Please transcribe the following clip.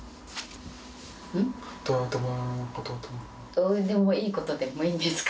どうでもいいことでもいいんですか？